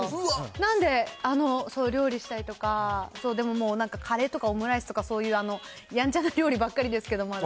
なんで、料理したりとか、でもこう、カレーとか、オムライスとか、そういうやんちゃな料理ばっかりですけど、まだ。